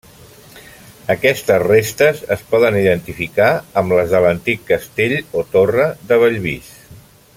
Aquestes restes es poden identificar amb les de l'antic castell o torre de Bellvís.